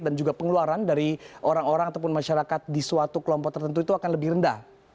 dan juga pengeluaran dari orang orang ataupun masyarakat di suatu kelompok tertentu itu akan lebih rendah